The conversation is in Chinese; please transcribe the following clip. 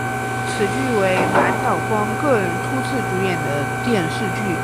此剧为满岛光个人初次主演的电视剧。